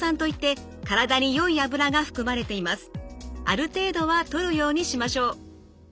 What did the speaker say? ある程度はとるようにしましょう。